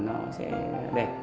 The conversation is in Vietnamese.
nó sẽ đẹp